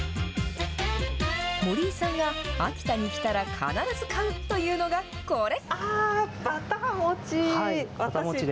森井さんが秋田に来たら必ず買うというのが、これ。